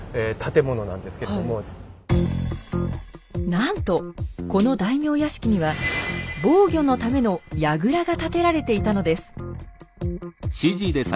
なんとこの大名屋敷には防御のためのやぐらが建てられていたのです。